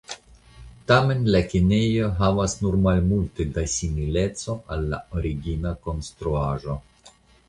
Tamen la kinejo havas nur malmulte da simileco al la origina konstruaĵo.